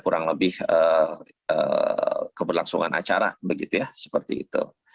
kurang lebih keberlangsungan acara seperti itu